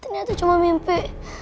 ternyata cuma mimpi